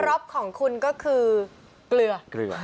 ครอปของคุณก็คือเกลือ